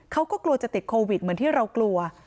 เขาก็กลัวจะติดโควิดเหมือนที่เรากลัว